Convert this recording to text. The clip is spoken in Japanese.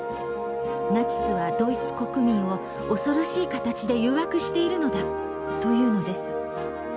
ナチスはドイツ国民を恐ろしい形で誘惑しているのだというのです。